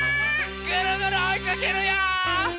ぐるぐるおいかけるよ！